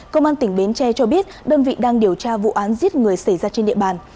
công an tỉnh bến tre cho biết đơn vị đang điều tra vụ án giết người xảy ra trên địa bàn